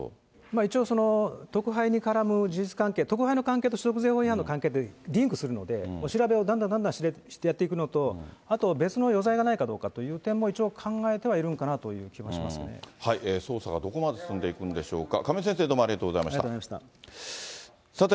一応、特はいに絡む事実関係、特背の容疑と所得税の関係ってリンクするので、調べをどんどんどんどんしてやっていくのと、あとあと別の余罪がないかという点も一応考えてはいるのかなとい捜査がどこまで進んでいくんでしょうか、亀井先生、どうもありがとうございました。